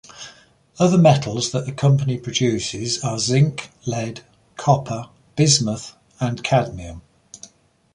Other metals that the company produces are zinc, lead, copper, bismuth, and cadmium.